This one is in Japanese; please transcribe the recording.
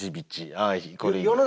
はい。